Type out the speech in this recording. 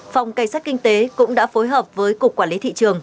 phòng cảnh sát kinh tế cũng đã phối hợp với cục quản lý thị trường